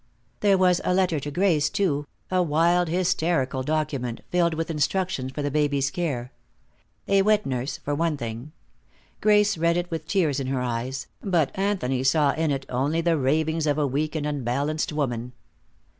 There was a letter to Grace, too, a wild hysterical document, filled with instructions for the baby's care. A wet nurse, for one thing. Grace read it with tears in her eyes, but Anthony saw in it only the ravings of a weak and unbalanced woman.